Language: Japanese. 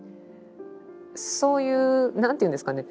そういう何て言うんですかね